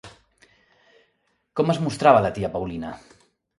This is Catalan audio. Com es mostrava la tia Paulina?